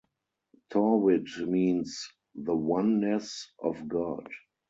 Tawhid means "the oneness of God".